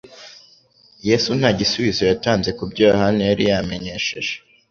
Yesu nta gisubizo yatanze ku byo Yohana yari yamenyesheje,